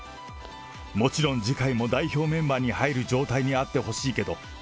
もちろん、次回も代表メンバーに入る状態にあってほしいけど。